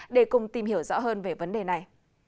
để cùng tìm hiểu rõ hơn về vấn đề này